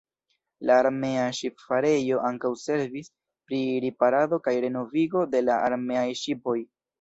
La armea ŝipfarejo ankaŭ servis pri riparado kaj renovigo de la armeaj ŝipoj.